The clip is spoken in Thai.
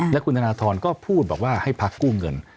และคุณธนทรก็พูดบอกว่าให้พักกู้เงิน